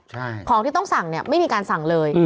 ใช่ของที่ต้องสั่งเนี่ยไม่มีการสั่งเลย